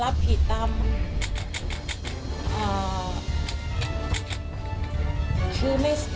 ไม่ได้มีเจตนาที่จะเล่ารวมหรือเอาทรัพย์ของคุณ